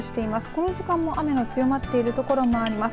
この時間も雨の強まっているところもあります。